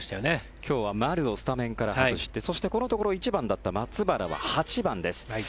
今日は丸をスタメンから外してそして、このところ１番だった松原は８番です。